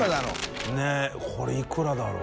Αねぇこれいくらだろう？